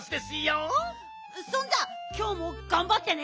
そんじゃきょうもがんばってね。